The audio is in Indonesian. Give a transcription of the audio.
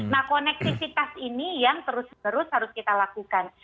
nah konektivitas ini yang terus menerus harus kita lakukan